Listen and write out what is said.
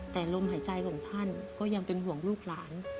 แต่ลมหายใจของท่านก็ยังเป็นห่วงลูกหลาน